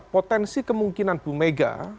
potensi kemungkinan bumega